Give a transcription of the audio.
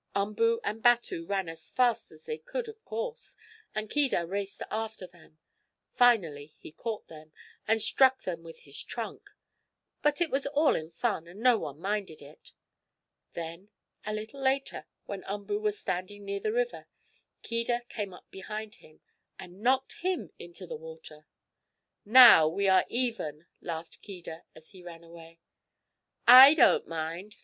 Umboo and Batu ran as fast as they could, of course, and Keedah raced after them. Finally he caught them, and struck them with his trunk. But it was all in fun, and no one minded it. Then, a little later, when Umboo was standing near the river, Keedah came up behind him and knocked him into the water. "Now we are even!" laughed Keedah as he ran away. "I don't mind!"